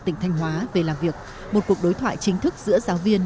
tỉnh thanh hóa về làm việc một cuộc đối thoại chính thức giữa giáo viên